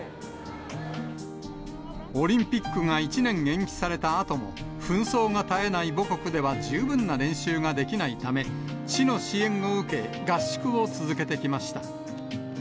オリンピックが１年延期されたあとも、紛争が絶えない母国では十分な練習ができないため、市の支援を受け、合宿を続けてきました。